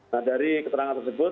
nah dari keterangan tersebut